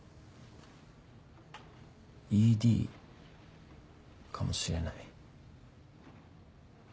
ＥＤかもしれない。